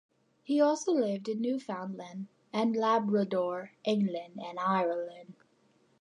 He also lived in Newfoundland and Labrador, England, and Ireland.